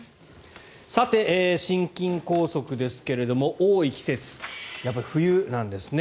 さて、心筋梗塞ですが多い季節やっぱり冬なんですね。